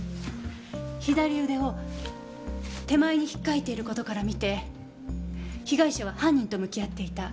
左腕を手前に引っかいている事から見て被害者は犯人と向き合っていた。